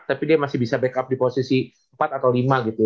tapi dia masih bisa backup di posisi empat atau lima gitu